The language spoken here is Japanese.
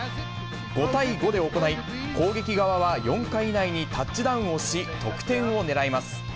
５対５で行い、攻撃側は４回以内にタッチダウンをし、得点を狙います。